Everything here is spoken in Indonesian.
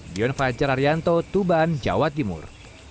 dion fajararyanto tuban jawa timur